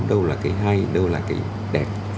đâu là cái hay đâu là cái đẹp